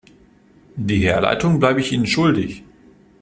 Die Herleitung bleibe ich Ihnen schuldig.